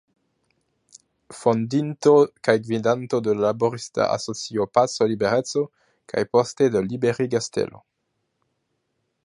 Fondinto kaj gvidanto de la laborista asocio "Paco Libereco", kaj poste de "Liberiga Stelo".